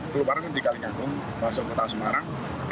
kebanyakan di kalikangkung masuk ke kota semarang